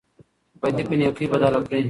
بدي په نېکۍ بدله کړئ.